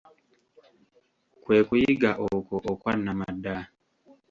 Kwe kuyiga okwo okwa namaddala.